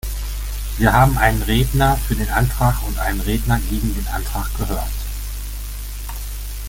Wir haben einen Redner für den Antrag und einen Redner gegen den Antrag gehört.